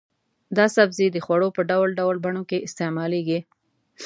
دا سبزی د خوړو په ډول ډول بڼو کې استعمالېږي.